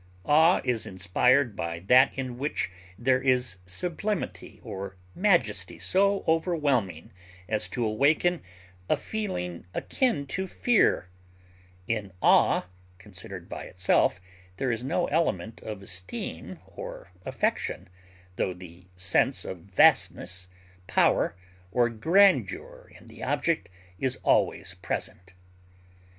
Awe is inspired by that in which there is sublimity or majesty so overwhelming as to awaken a feeling akin to fear; in awe, considered by itself, there is no element of esteem or affection, tho the sense of vastness, power, or grandeur in the object is always present.